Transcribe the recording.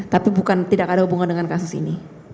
tapi bukan tidak ada hubungan dengan kasus ini